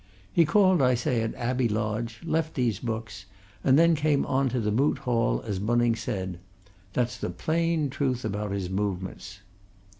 He called, I say, at Abbey Lodge, left these books, and then came on to the Moot Hall, as Bunning said. That's the plain truth about his movements."